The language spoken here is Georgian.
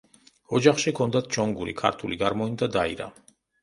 ოჯახში ჰქონდათ ჩონგური, ქართული გარმონი და დაირა.